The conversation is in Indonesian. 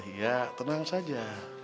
ya tenang saja